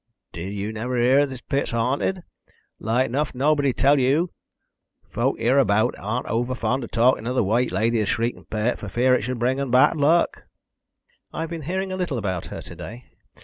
"Did you never hear that th' pit's haunted? Like enough nobody'd tell yow. Folk hereabowts aren't owerfond of talkin' of th' White Lady of th' Shrieking Pit, for fear it should bring un bad luck." "I've been hearing a little about her to day.